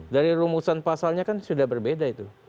dari rumusan pasalnya kan sudah berbeda itu